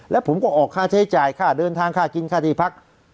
ให้จ่ายค่าเดินทางค่าเก็บสังคมขาดีพักคน